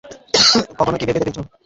কখনো কি ভেবে দেখেছ?